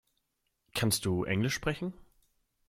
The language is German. Kannst du englisch sprechen?